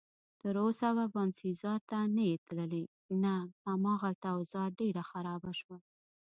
تراوسه به باینسیزا ته نه یې تللی؟ نه، هماغلته اوضاع ډېره خرابه شوه.